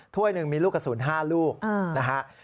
หนึ่งมีลูกกระสุน๕ลูกนะฮะ